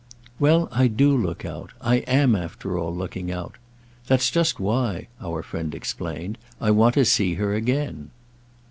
"Well, I do look out. I am, after all, looking out. That's just why," our friend explained, "I want to see her again."